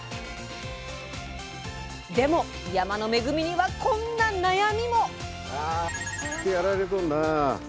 でも山の恵みにはこんな悩みも。